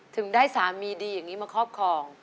ถึงได้สามีดีอย่างนี้มาครอบครอง